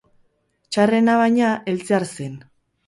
Txarrena, baina, heltzear zen.